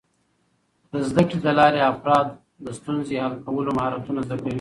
د زده کړې له لارې، افراد د ستونزو حل کولو مهارتونه زده کوي.